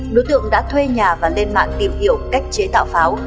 đối tượng đã thuê nhà và lên mạng tìm hiểu cách chế tạo pháo